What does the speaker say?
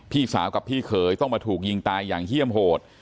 พี่สาวกับพี่เขยต้องมาถูกยิงตายอย่างเยี่ยมโหด